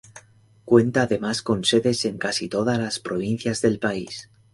Cuenta además con sedes en casi todas las provincias del país.